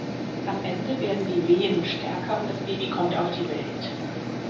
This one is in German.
Am Ende werden die Wehen stärker und das Baby kommt auf die Welt.